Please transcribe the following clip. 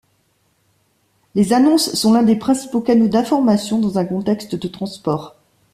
Les annonces sont l'un des principaux canaux d'information dans un contexte de transport.